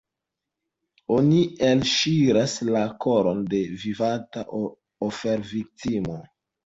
Oni elŝiras la koron de vivanta oferviktimo.